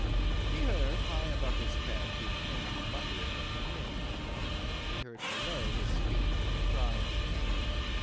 ..." He heard, high above his head, the faint muttering of the wind; he heard below his feet a cry of pain.